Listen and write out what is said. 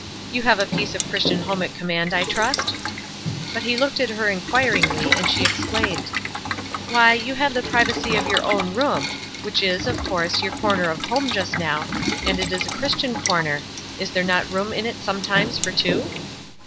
You have a piece of Christian home at command, I trust?" But he looked at her inquiringly, and she explained: "Why, you have the privacy of your own room, which is, of course, your corner of home just now, and it is a Christian corner. Is there not room in it sometimes for two?"